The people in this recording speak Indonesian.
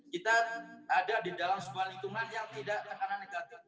kita ada di dalam sebuah hitungan yang tidak tekanan negatif